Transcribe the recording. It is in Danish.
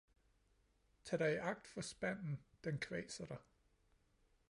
Tag dig i agt for spanden, den kvaser dig